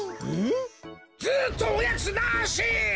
ずっとおやつなし！